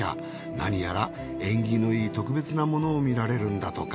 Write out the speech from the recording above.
何やら縁起のいい特別なものを見られるんだとか。